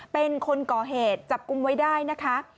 เป็นคนก่อเหตุจับกุมไว้ได้นะคะ